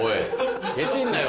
ケチんなよ